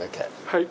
はい。